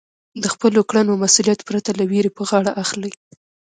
د خپلو کړنو مسؤلیت پرته له وېرې په غاړه اخلئ.